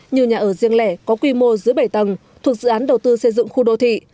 như nhà ở riêng lẻ có quy mô dưới bảy tầng thuộc dự án đầu tư xây dựng khu đô thị